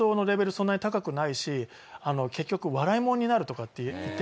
そんなに高くないし結局笑い者になる」とかって言って。